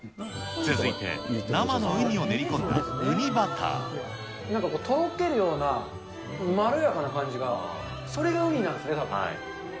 続いて生のうにを練り込んだなんかとろけるような、まろやかな感じが、それがウニなんですね。